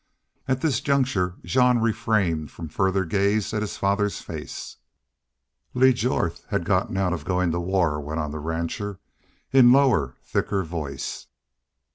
At this juncture Jean refrained from further gaze at his father's face. "Lee Jorth had gotten out of goin' to war," went on the rancher, in lower, thicker voice.